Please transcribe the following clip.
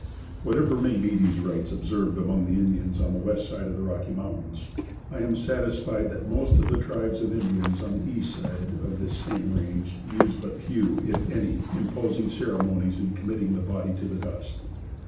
Whatever may be these rites observed among the Indians on the west side of the Rocky Mountains, I am satisfied that most of the tribes of Indians on the east side of this same range, use but few, if any, imposing ceremonies in committing the body to the dust.